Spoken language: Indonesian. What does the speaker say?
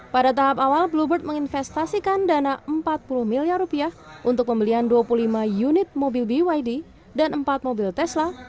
pada tahap awal bluebird menginvestasikan dana rp empat puluh miliar rupiah untuk pembelian dua puluh lima unit mobil byd dan empat mobil tesla